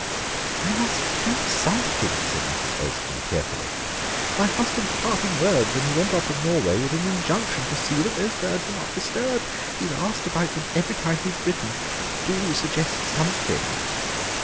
"I must do something," said Mrs. Olston tearfully; "my husband's parting words when he went off to Norway were an injunction to see that those birds were not disturbed, and he's asked about them every time he's written. Do suggest something."